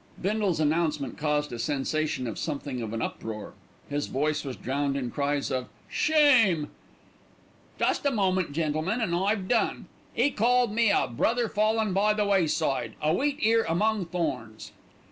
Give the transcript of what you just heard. Bindle's announcement caused a sensation and something of an uproar. His voice was drowned in cries of "Shame!" "Just a moment, gentlemen, and I've done. 'E called me 'a brother fallen by the wayside, a wheat ear among thorns.'"